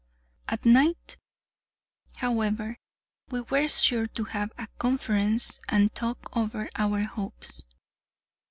At night, however, we were sure to have a conference and talk over our hopes.